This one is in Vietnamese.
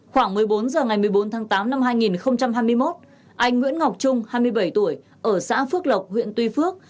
khoảng một mươi bốn h ngày một mươi bốn tháng tám năm hai nghìn hai mươi một anh nguyễn ngọc trung hai mươi bảy tuổi ở xã phước lộc huyện tuy phước